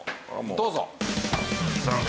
どうぞ。